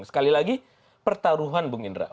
sekali lagi pertaruhan bung indra